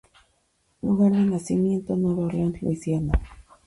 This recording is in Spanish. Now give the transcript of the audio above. Lugar de Nacimiento: Nueva Orleans, Louisiana.